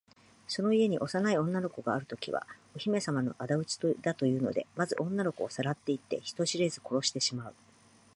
その家に幼い女の子があるときは、お姫さまのあだ討ちだというので、まず女の子をさらっていって、人知れず殺してしまう。